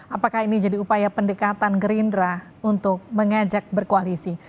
apakah ini jadi upaya pendekatan gerindra untuk mengajak berkoalisi